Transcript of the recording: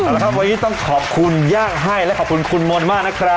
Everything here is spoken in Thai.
เอาละครับวันนี้ต้องขอบคุณย่างให้และขอบคุณคุณมนต์มากนะครับ